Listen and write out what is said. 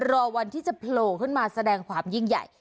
รอวันที่จะโผล่ขึ้นมาแสดงความยิ่งใหญ่